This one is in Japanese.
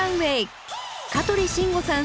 香取慎吾さん